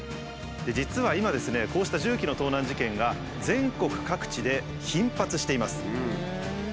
実は今ですねこうした重機の盗難事件が全国各地で頻発しています。